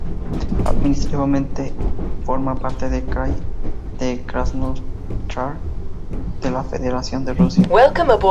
Administrativamente, forma parte del krai de Krasnoyarsk de la Federación de Rusia.